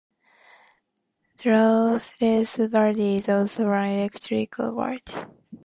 Daresbury is also an electoral ward.